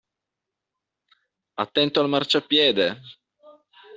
Attento al marciapiede!